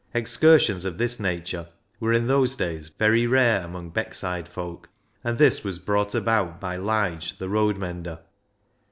Excursions of this nature were in those days very rare amongst Beckside folk, and this was brought about by Lige, the road mender.